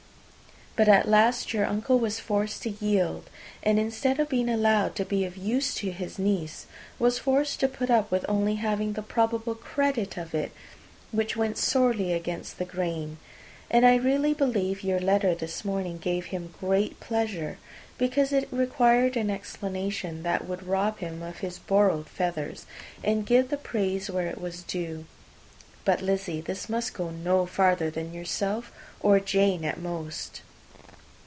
But at last your uncle was forced to yield, and instead of being allowed to be of use to his niece, was forced to put up with only having the probable credit of it, which went sorely against the grain; and I really believe your letter this morning gave him great pleasure, because it required an explanation that would rob him of his borrowed feathers, and give the praise where it was due. But, Lizzy, this must go no further than yourself, or Jane at most.